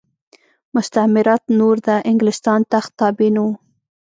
مستعمرات نور د انګلستان تخت تابع نه وو.